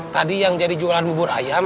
tadi yang jadi jualan bubur ayam